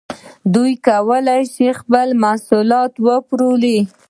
دوی نشي کولای خپل محصولات وپلوري